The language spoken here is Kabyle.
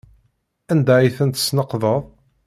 Anda ay tent-tesneqdeḍ?